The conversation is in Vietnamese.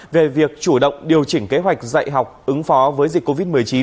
về việc chủ động điều chỉnh kế hoạch dạy học ứng phó với dịch covid một mươi chín